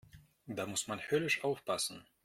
Da muss man höllisch aufpassen.